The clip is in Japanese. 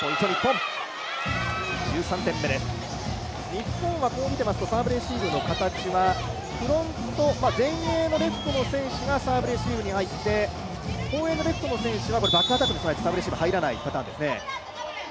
日本はこう見てますとサーブレシーブの形はフロント、前衛のレフトの選手がサーブレシーブに入って後衛のレシーブの選手はバックアタックに備えて、レシーブに入らないパターンですね。